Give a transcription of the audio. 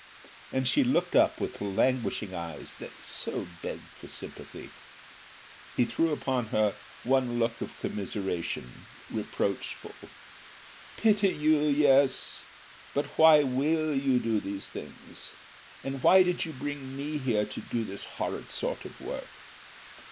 and she looked up with languishing eyes, that so begged for sympathy. He threw upon her one look of commiseration, reproachful. "Pity you, yes! But why will you do these things? and why did you bring me here to do this horrid sort of work?"